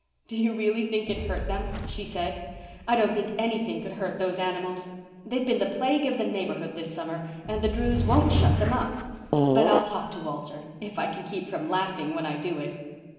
"Do you really think it hurt them?" she said. "I don't think anything could hurt those animals. They've been the plague of the neighbourhood this summer and the Drews won't shut them up. But I'll talk to Walter—if I can keep from laughing when I do it."